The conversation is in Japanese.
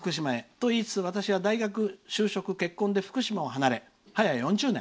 と言いながら私は大学、就職、結婚で福島を離れて早４０年。